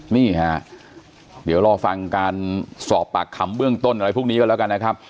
นี่ฮะเดี๋ยวรอฟังการสอบปากคำเบื้องต้นอะไรพวกนี้กันแล้วกันนะครับ